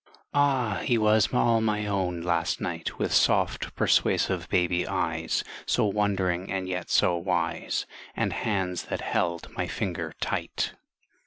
Ah! He was all my own, last night, With soft, persuasive, baby eyes, So wondering and yet so wise, And hands that held my finger tight.